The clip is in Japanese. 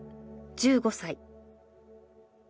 １５歳。